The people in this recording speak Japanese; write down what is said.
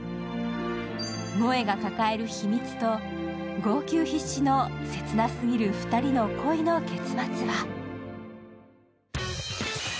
萌が抱える秘密と、号泣必至の切なすぎる２人の恋の結末は？